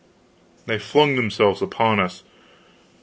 they flung themselves upon us.